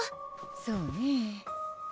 そうね